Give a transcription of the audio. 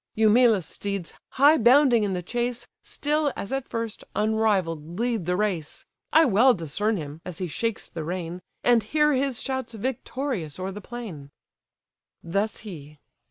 Eumelus' steeds, high bounding in the chase, Still, as at first, unrivall'd lead the race: I well discern him, as he shakes the rein, And hear his shouts victorious o'er the plain." Thus he.